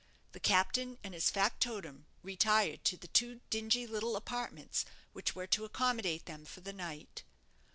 The captain and his factotum retired to the two dingy little apartments which were to accommodate them for the night.